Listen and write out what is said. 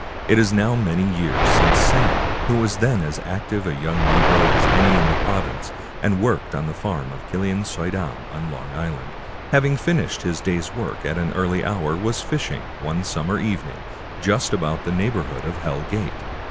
It is now many years since Sam, who was then as active a young negro as any in the province, and worked on the farm of Killian Suydam on Long Island, having finished his day's work at an early hour, was fishing, one still summer evening, just about the neighborhood of Hell Gate.